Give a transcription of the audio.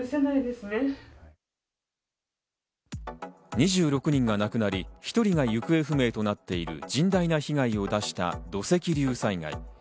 ２６人が亡くなり、１人が行方不明となっている甚大な被害を出した土石流災害。